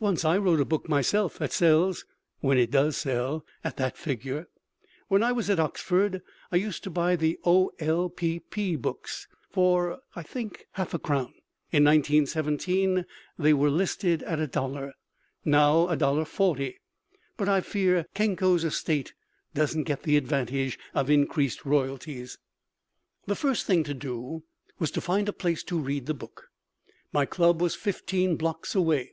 Once I wrote a book myself that sells (when it does sell) at that figure. When I was at Oxford I used to buy the O.L.P.P. books for (I think) half a crown. In 1917 they were listed at a dollar. Now $1.40. But I fear Kenko's estate doesn't get the advantage of increased royalties. The first thing to do was to find a place to read the book. My club was fifteen blocks away.